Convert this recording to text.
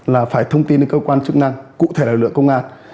là phải thông tin đến cơ quan chức năng cụ thể lực lượng công an